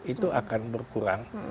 itu akan berkurang